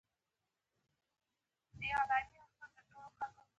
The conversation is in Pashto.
زه د ارام خوب لپاره مناسب چاپیریال ساتم.